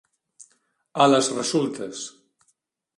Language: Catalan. A les resultes.